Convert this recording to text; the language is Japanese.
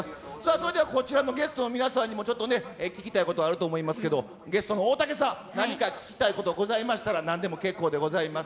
それではこちらのゲスト皆さんにも、ちょっと聞きたいことあると思いますけれども、ゲストの大竹さん、何か聞きたいことございましたら、なんでも結構でございます。